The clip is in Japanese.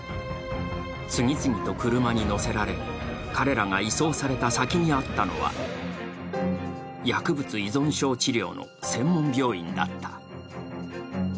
次々と車に乗せられ彼らが移送された先にあったのは薬物依存症治療の専門病院だった。